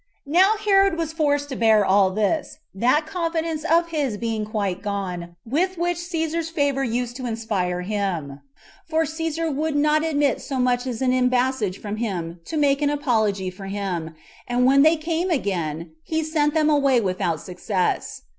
4. Now Herod was forced to bear all this, that confidence of his being quite gone with which Cæsar's favor used to inspire him; for Cæsar would not admit so much as an embassage from him to 'make an apology for him; and when they came again, he sent them away without success.